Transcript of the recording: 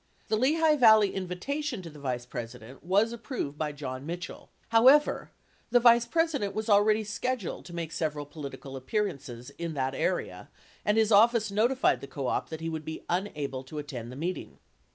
The Lehigh Valley invitation to the Vice President was approved by John Mitchell. 87 However, the Vice President was already sched uled to make several political appearances in that area, and his office notified the co op that he would be unable to attend the meeting.